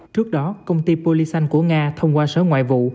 trước đó công ty polysan của nga thông qua sở ngoại vụ